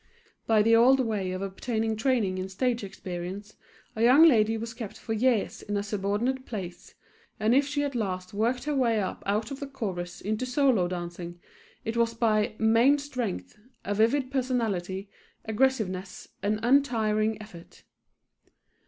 By the old way of obtaining training and stage experience a young lady was kept for years in a subordinate place, and if she at last worked her way up out of the chorus into solo dancing, it was by "main strength," a vivid personality, aggressiveness and untiring effort.